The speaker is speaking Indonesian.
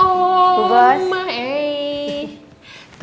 banget baru tadi sae mau bikinin roti